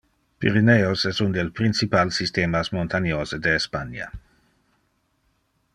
Pyreneos es un del principal systemas montaniose de Espania.